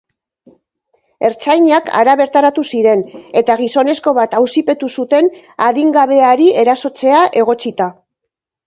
Ertzainak hara bertaratu ziren, eta gizonezko bat auzipetu zuten adingabeari erasotzea egotzita.